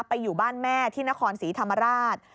อยู่บ้านแม่ที่นครศรีธรรมราช